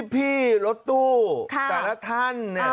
พี่รถตู้แต่ละท่าน